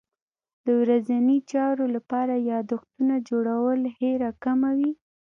د ورځني چارو لپاره یادښتونه جوړول هېره کمه وي.